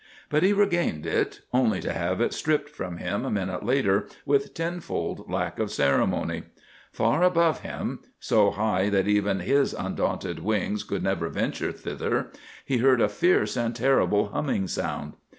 But he regained it only to have it stripped from him, a minute later, with tenfold lack of ceremony. For far above him—so high that even his undaunted wings would never venture thither—he heard a fierce and terrible humming sound.